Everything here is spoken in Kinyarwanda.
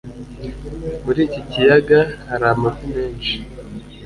muri iki kiyaga hari amafi menshi